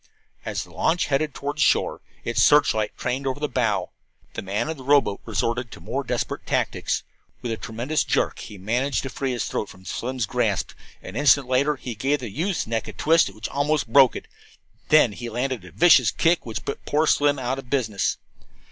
As the launch headed toward shore, its searchlight trained over the bow, the man of the rowboat resorted to more desperate tactics. With a tremendous jerk he managed to free his throat from Slim's grasp. An instant later he gave the youth's neck a twist which almost broke it. Then he landed a vicious kick which put poor Slim out of business.